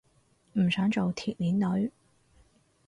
唔想做鐵鏈女